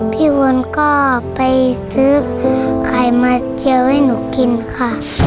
วนก็ไปซื้อไข่มาเจียวให้หนูกินค่ะ